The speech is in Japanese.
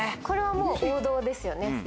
これはもう王道ですよね